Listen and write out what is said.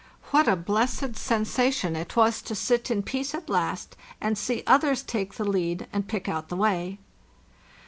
What a blessed sensation it was to sit in peace at last, and see others take the lead and pick out the way!